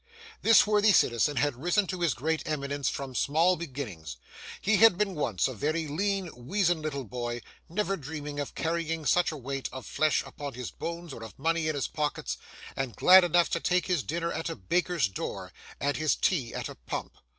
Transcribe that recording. This worthy citizen had risen to his great eminence from small beginnings. He had once been a very lean, weazen little boy, never dreaming of carrying such a weight of flesh upon his bones or of money in his pockets, and glad enough to take his dinner at a baker's door, and his tea at a pump.